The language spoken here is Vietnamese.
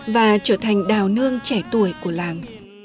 và trở thành đào nương trung tâm